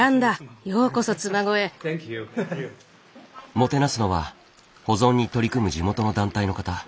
もてなすのは保存に取り組む地元の団体の方。